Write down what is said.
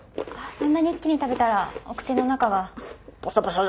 そんなに一気に食べたらお口の中が。